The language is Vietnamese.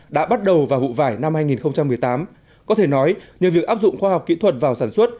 đã bắt đầu vào vụ vải năm hai nghìn một mươi tám có thể nói nhờ việc áp dụng khoa học kỹ thuật vào sản xuất